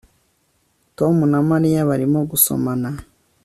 tom na mariya barimo gusomana